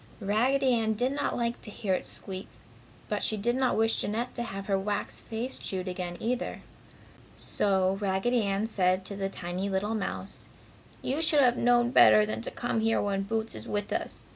Raggedy Ann did not like to hear it squeak, but she did not wish Jeanette to have her wax face chewed again, either. So, Raggedy Ann said to the tiny little mouse, "You should have known better than to come here when Boots is with us.